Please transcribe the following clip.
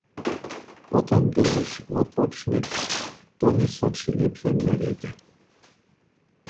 Potom dyrbiš wotpočnyć, doniž so ći lěpje njewjedźe.